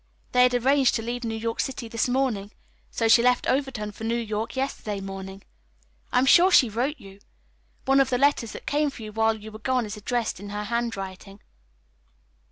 They had arranged to leave New York City this morning, so she left Overton for New York yesterday morning. I am sure she wrote you. One of the letters that came for you while you were gone is addressed in her handwriting."